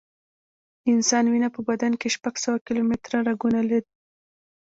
د انسان وینه په بدن کې شپږ سوه کیلومټره رګونه لري.